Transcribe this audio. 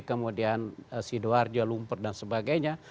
kemudian sidoarjo lumpur dan sebagainya